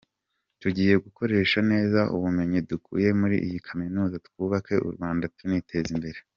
Tugiye gukoresha neza ubumenyi dukuye muri iyi kaminuza twubake u Rwanda tuniteza imbere.